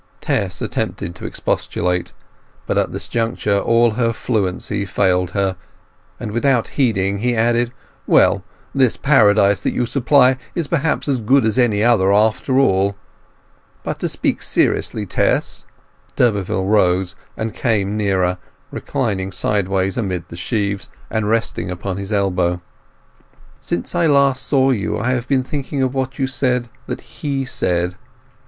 Tess attempted to expostulate, but at this juncture all her fluency failed her, and without heeding he added: "Well, this paradise that you supply is perhaps as good as any other, after all. But to speak seriously, Tess." D'Urberville rose and came nearer, reclining sideways amid the sheaves, and resting upon his elbow. "Since I last saw you, I have been thinking of what you said that he said.